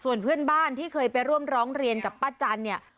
ส่วนเพื่อนบ้านที่เคยไปร่วมร้องเรียนกับป้าจันเนี่ย